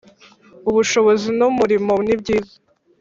ubushobozi n umurimo nibyiza